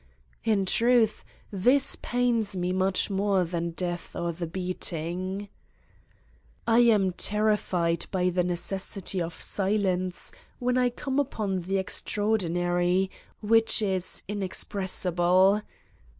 In truth, this pains me much more than death or the beating. I am terrified by the necessity of silence when I come upon the extraordwiary, which his inexpres sible.